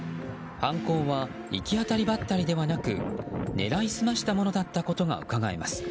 犯行は行き当たりばったりではなく狙い澄ましたものだったことがうかがえます。